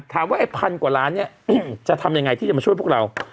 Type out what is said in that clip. ถามว่าไอ้๑๐๐๐กว่าล้านจะทำอย่างไรที่จะมาช่วยพวกเรา